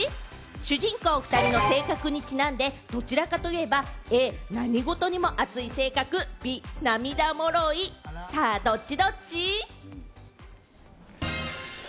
主人公２人の性格にちなんで、どちらかといえばＡ・何事にも熱い性格、Ｂ・涙もろい、さあ、ドッチ？